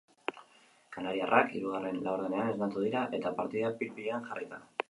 Kanariarrak hirugarren laurdenean esnatu dira eta partida pil-pilean jarri da.